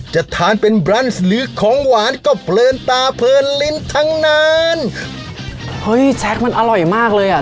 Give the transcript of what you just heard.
จะทานเป็นบรนซ์หรือของหวานก็เพลินตาเพลินลิ้นทั้งนานเฮ้ยแจ๊คมันอร่อยมากเลยอ่ะ